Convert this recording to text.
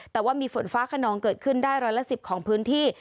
แต่ว่ามีฝนฟ้าขนองเกิดขึ้นได้ร้อยละ๑๐ของพื้นที่